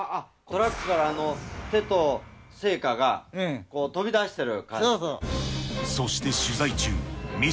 トラックから手と聖火が飛び出してる感じ？